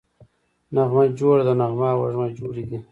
نغمه جوړه ده → نغمه او وږمه جوړې دي